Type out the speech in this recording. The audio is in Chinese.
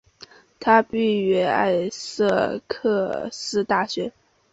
他毕业于艾塞克斯大学。